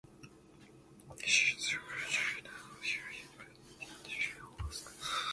She is a graduate of Yale University and Yale Law School.